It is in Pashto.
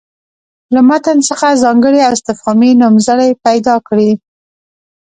له متن څخه ځانګړي او استفهامي نومځړي پیدا کړي.